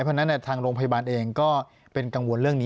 ปากกับภาคภูมิ